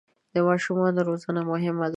د ماشومانو روزنه مهمه ده.